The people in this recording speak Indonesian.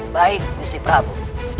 baik gusti prabu